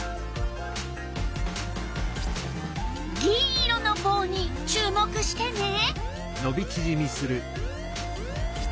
銀色のぼうに注目してね。